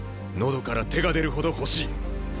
喉から手が出るほど欲しい！